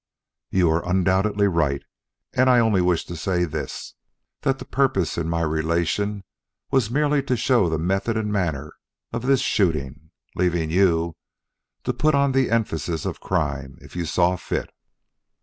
"You are undoubtedly right, and I only wish to say this: that the purpose in my relation was merely to show the method and manner of this shooting, leaving you to put on the emphasis of crime if you saw fit."